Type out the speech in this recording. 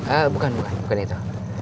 eh bukan bukan itu